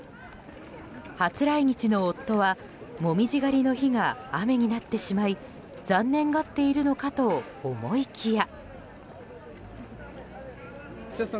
初来日の夫は紅葉狩りの日が雨になってしまい残念がっているのかと思いきや。